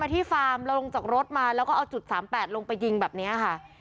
ที่ฟาร์มเราลงจากรถมาแล้วก็เอาจุด๓๘ลงไปยิงแบบนี้ค่ะ